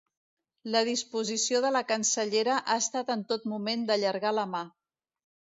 La disposició de la cancellera ha estat en tot moment d’allargar la mà.